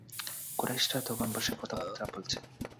কুরাইশরা তখন বসে কথাবার্তা বলছে।